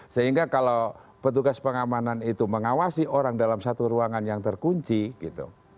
sehingga kalau petugas pengamanan itu mengawasi orang dalam satu ruangan yang terkunci gitu